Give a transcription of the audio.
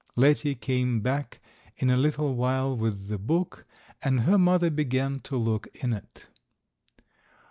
Letty came back in a little while with the book and her mother began to look in it.